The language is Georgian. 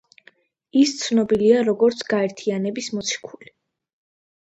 ის ცნობილია როგორც გაერთიანების მოციქული.